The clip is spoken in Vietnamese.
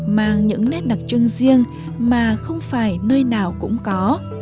mang những nét đặc trưng riêng mà không phải nơi nào cũng có